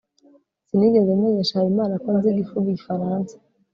sinigeze menyesha habimana ko nzi kuvuga igifaransa